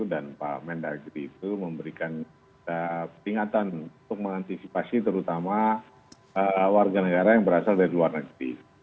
dan pak menteri negeri itu memberikan peringatan untuk mengantisipasi terutama warga negara yang berasal dari luar negeri